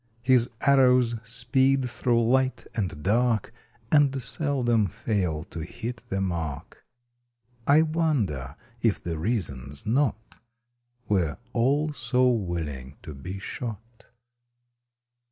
His arrows speed through light and dark And seldom fail to hit the mark. I wonder if the reason s not We re all so willing to be shot?